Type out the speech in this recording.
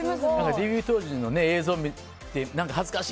デビュー当時の映像を見て恥ずかしい！